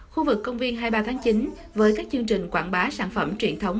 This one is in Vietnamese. khu vực công viên hai mươi ba tháng chín với các chương trình quảng bá sản phẩm truyền thống